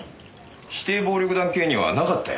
指定暴力団系にはなかったよ。